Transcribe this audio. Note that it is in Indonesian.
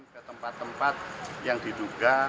ke tempat tempat yang diduga